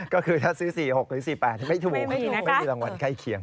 ก็คือถ้าซื้อ๔๖หรือ๔๘ไม่ถูกไม่มีรางวัลใกล้เคียง